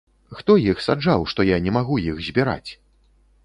Хто іх саджаў, што я не магу іх збіраць!?